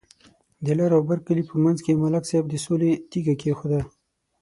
د لر او بر کلي په منځ کې ملک صاحب د سولې تیگه کېښوده.